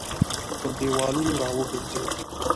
پر دېوالونو راوګرځېد.